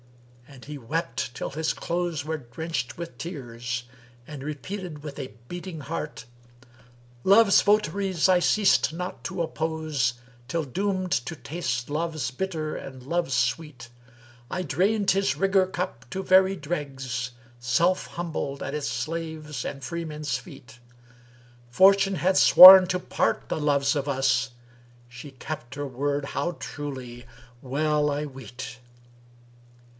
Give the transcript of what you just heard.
and he wept till his clothes were drenched with tears, and repeated with a beating heart, "Love's votaries I ceased not to oppose, * Till doomed to taste Love's bitter and Love's sweet: I drained his rigour cup to very dregs, * Self humbled at its slaves' and freemen's feet: Fortune had sworn to part the loves of us; * She kept her word how truly, well I weet!"